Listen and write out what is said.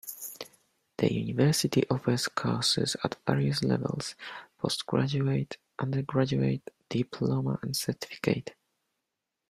The University offers courses at various levels: Postgraduate, Undergraduate, Diploma and Certificate.